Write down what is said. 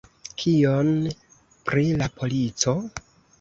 Kion pri la polico?